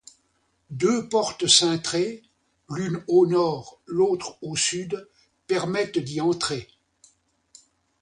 Deux portes cintrées, l'une au nord, l'autre au sud, permettent d'y entrer.